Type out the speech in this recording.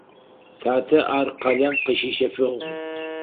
Татэ ар къалэм къыщищэфыгъ.